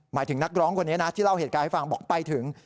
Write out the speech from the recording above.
หมายถึงนักร้องคนนี้นะที่เล่าเหตุการณ์ให้ฟังบอกไปถึง